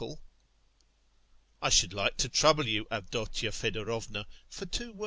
I should like to trouble you, Avdotya Fedorovna, for two words.